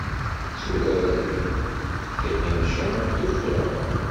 Tturaren tiqemca tufra.